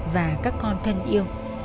và các con thân yêu